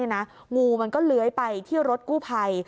งูมันก็เลื้อยไปที่รถกู้ภัย